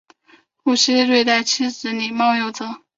顾悌对待妻子礼貌有则。